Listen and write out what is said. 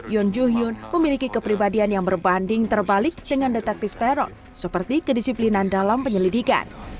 yoon joo hyun memiliki kepribadian yang berbanding terbalik dengan detektif tae rok seperti kedisiplinan dalam penyelidikan